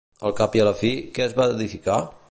Al cap i a la fi, què es va edificar?